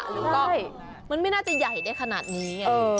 หรือก็มันไม่น่าจะใหญ่ได้ขนาดนี้